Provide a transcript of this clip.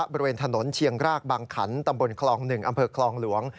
บริเวณถนนเชียงรากบางขันตำบลคลอง๑อำเภอคลองหลวง